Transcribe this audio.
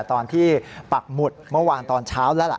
ตอนที่ปรับมุตษแม้ตอนเช้าแล้ว